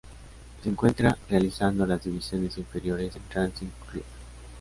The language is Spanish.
Se encuentra realizando las divisiones inferiores en Racing Club.